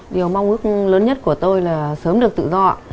điều mong ước lớn nhất của tôi là sớm được tự do